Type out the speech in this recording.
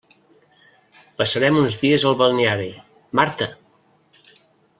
Passarem uns dies al balneari, Marta!